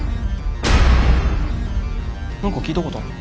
何か聞いたことある。